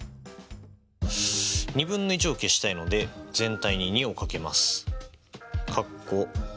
２分の１を消したいので全体に２を掛けます。